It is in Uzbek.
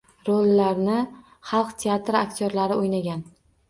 Rollarni xalq teatri aktyorlari o‘ynagan.